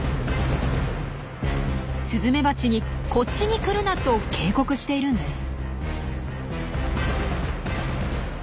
スズメバチに「こっちに来るな」と警告しているんです。